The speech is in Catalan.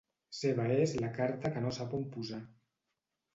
Seva és la carta que no sap on posar.